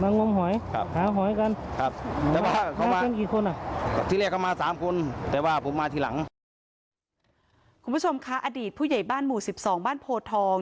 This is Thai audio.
คุณผู้ชมคะอดีตผู้ใหญ่บ้านหมู่๑๒บ้านโพทอง